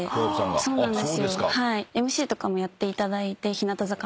そうなんです。